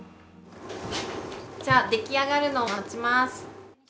じゃあ、出来上がるのを待ちます。